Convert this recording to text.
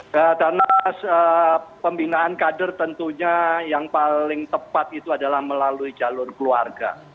karena pembinaan kader tentunya yang paling tepat itu adalah melalui jalur keluarga